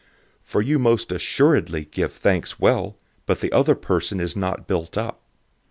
014:017 For you most certainly give thanks well, but the other person is not built up.